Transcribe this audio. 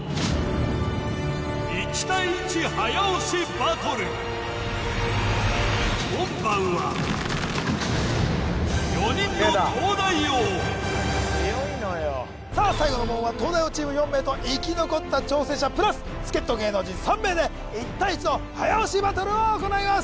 大村門番は４人のさあ最後の門は東大王チーム４名と生き残った挑戦者プラス助っ人芸能人３名で１対１の早押しバトルを行います